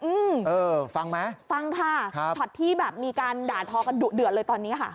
อืมเออฟังไหมฟังค่ะครับช็อตที่แบบมีการด่าทอกันดุเดือดเลยตอนนี้ค่ะ